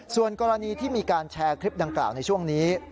ส่วนกรณีที่มีการแชร์คลิปดังกล่าวในช่วงนี้